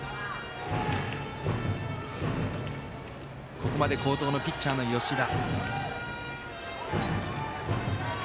ここまで好投のピッチャーの吉田。